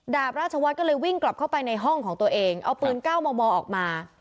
ดาบราชวัฒน์ก็เลยวิ่งกลับเข้าไปในห้องของตัวเองเอาปืน๙มมออกมา